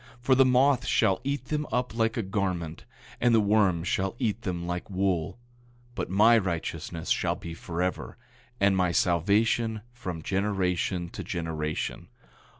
8:8 For the moth shall eat them up like a garment, and the worm shall eat them like wool. But my righteousness shall be forever, and my salvation from generation to generation.